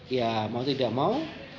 ya mau tidak mau